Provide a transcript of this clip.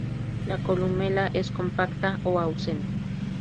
La columela es compacta o ausente.